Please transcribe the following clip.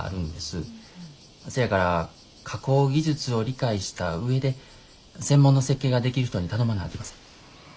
せやから加工技術を理解した上で専門の設計ができる人に頼まなあきません。